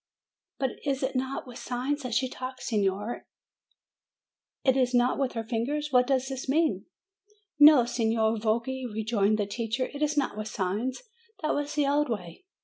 "But it is not with signs that THE DEAF MUTE 303 she talks, signora; it is not with her fingers? What does this mean?" "No, Signer Voggi," rejoined the teacher, "it is not with signs. That was the old way.